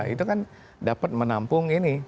itu kan dapat menampung ini